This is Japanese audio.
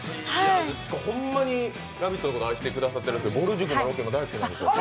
ほんまに「ラヴィット！」のこと愛してくださっていてぼる塾のロケも大好きなんですよね。